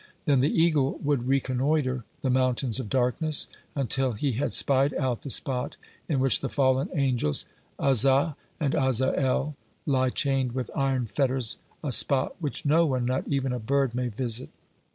Then the eagle would reconnoitre the mountains of darkness, until he had spied out the spot in which the fallen angels 'Azza and 'Azzael (52) lie chained with iron fetters a spot which no one, not even a bird, may visit.